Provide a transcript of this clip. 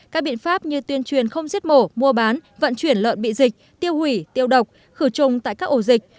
các biện pháp như tuyên truyền không giết mổ mua bán vận chuyển lợn bị dịch tiêu hủy tiêu độc khử trùng tại các ổ dịch